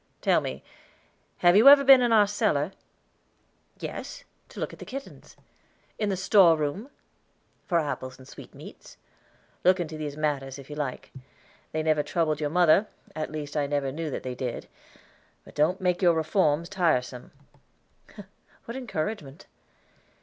Tell me, have you ever been in our cellar?" "Yes, to look at the kittens." "In the store room?" "For apples and sweetmeats." "Look into these matters, if you like; they never troubled your mother, at least I never knew that they did; but don't make your reforms tiresome." What encouragement!